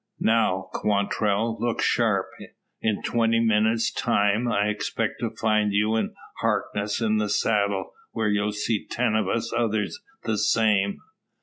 Now, Quantrell, look sharp; in twenty minutes, time, I expect to find you an' Harkness in the saddle, where you'll see ten o' us others the same."